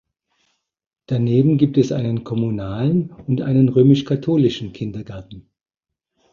Daneben gibt es einen kommunalen und einen römisch-katholischen Kindergarten.